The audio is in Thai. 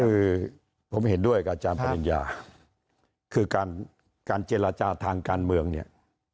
คือผมเห็นด้วยกับอาจารย์ปริญญาคือการการเจรจาทางการเมืองเนี่ย